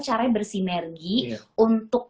caranya bersinergi untuk